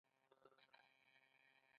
تعلیم د ژوند بنیاد دی.